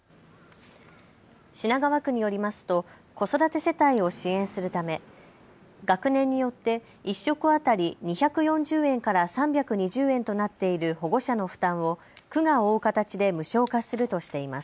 品川区によりますと子育て世帯を支援するため学年によって１食当たり２４０円から３２０円となっている保護者の負担を区が負う形で無償化するとしています。